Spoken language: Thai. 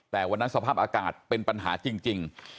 แต่วันนั้นสภาพอากาศเป็นปัญหาจริง